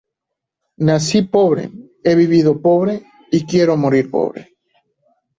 Nací pobre, he vivido pobre y quiero morir pobre.